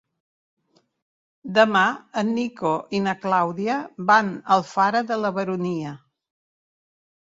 Demà en Nico i na Clàudia van a Alfara de la Baronia.